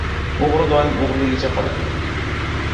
• O‘g‘ri doim o‘g‘riligicha qoladi.